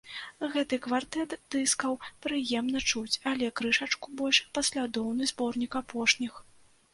Гэты квартэт дыскаў прыемна чуць, але крышачку больш паслядоўны зборнік апошніх.